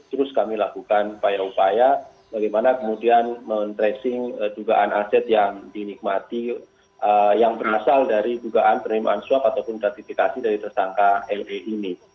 terus kami lakukan upaya upaya bagaimana kemudian men tracing dugaan aset yang dinikmati yang berasal dari dugaan penerimaan swab ataupun gratifikasi dari tersangka la ini